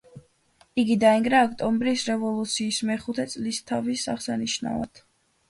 იგი დაინგრა ოქტომბრის რევოლუციის მეხუთე წლისთავის აღსანიშნავად.